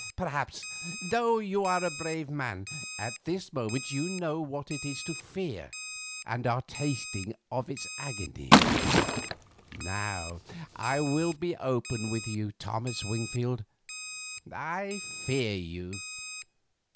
Also perhaps, though you are a brave man, at this moment you know what it is to fear, and are tasting of its agony. Now I will be open with you; Thomas Wingfield, I fear you.